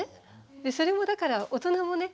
それをだから大人もね